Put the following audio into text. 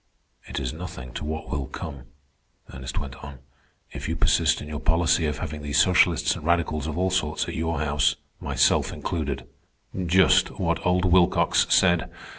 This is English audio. "It is nothing to what will come," Ernest went on, "if you persist in your policy of having these socialists and radicals of all sorts at your house, myself included." "Just what old Wilcox said.